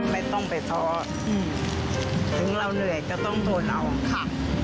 ไม่ต้องไปท้อถึงเราเหนื่อยก็ต้องทนเอาค่ะ